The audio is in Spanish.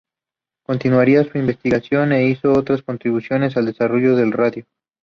Continuaría con su investigación e hizo otras contribuciones al desarrollo de la radio.